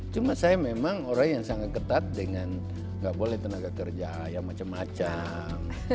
cuma saya memang orang yang sangat ketat dengan nggak boleh tenaga kerja yang macam macam